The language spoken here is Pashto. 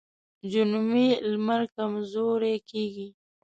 جنوبي لمر کمزوری کیږي.